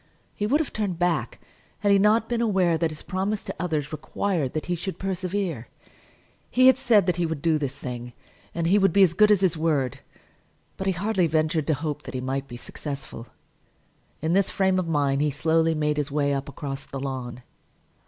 He would have turned back had he not been aware that his promise to others required that he should persevere. He had said that he would do this thing, and he would be as good as his word. But he hardly ventured to hope that he might be successful. In this frame of mind he slowly made his way up across the lawn.